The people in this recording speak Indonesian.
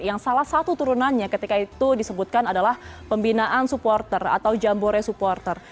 yang salah satu turunannya ketika itu disebutkan adalah pembinaan supporter atau jambore supporter